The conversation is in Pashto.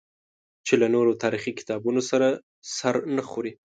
چې له نورو تاریخي کتابونو سره سر نه خوري.